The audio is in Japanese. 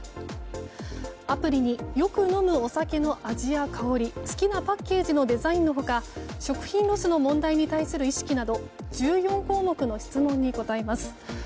アプリによく飲むお酒の味や香り好きなパッケージのデザインの他食品ロスの問題に対する意識など１４項目の質問に答えます。